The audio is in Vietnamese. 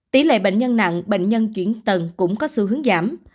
tỷ lệ bệnh nhân nặng bệnh nhân chuyển tầng cũng có xu hướng giảm